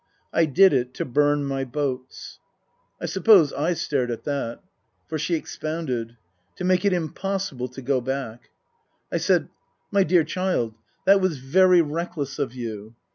" I did it to burn my boats." I suppose / stared at that. For she expounded. " To make it impossible to go back." I said, " My dear child, that was very reckless of you."